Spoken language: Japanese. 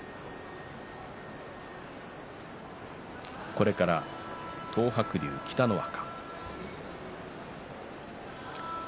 これから東白龍、北の若。